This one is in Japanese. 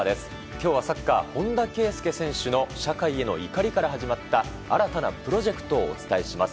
今日はサッカー、本田圭佑選手の社会への怒りから始まった新たなプロジェクトをお伝えします。